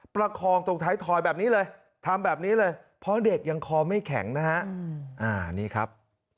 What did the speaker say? ประคองตรงท้ายถอยแบบนี้เลยทำแบบนี้เลยเพราะเด็กยังคอไม่แข็งนะฮะนี่ครับ